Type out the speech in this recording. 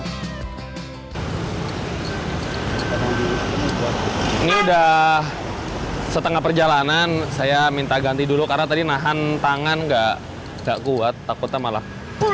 ini udah setengah perjalanan saya minta ganti dulu karena tadi nahan tangan gak kuat takutnya malah